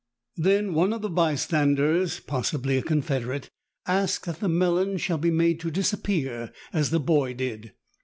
Then one of the bystanders, possibly a confederate, asks that the melon shall be made to disappear as the boy did.